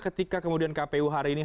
ketika kemudian kpu hari ini